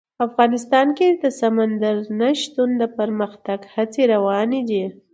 افغانستان کې د سمندر نه شتون د پرمختګ هڅې روانې دي.